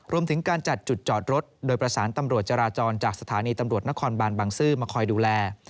รวมถึงการจัดจุดจอดรถโดยประสานตำรวจจราจรจากสถานีตำรวจนครบานบางซื่อมาคอยดูแล